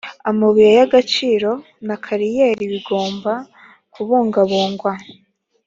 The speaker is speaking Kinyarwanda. amabuye y’agaciro na kariyeri bigomba kubungabungwa